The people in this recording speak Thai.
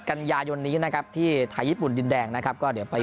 กันยายนนี้นะครับที่ไทยญี่ปุ่นดินแดงนะครับก็เดี๋ยวไป